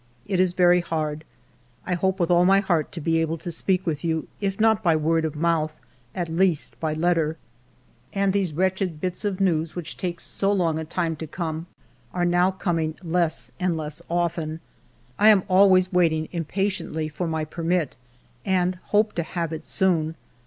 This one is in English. It is very hard. I hope with all my heart to be able to speak with you, if not by word of mouth, at least by letter. And these wretched bits of news which take so ALFRED DREYFUS 91 long a time to come are now coming less and less often. I am always waiting impatiently for my permit, and hope to have it soon.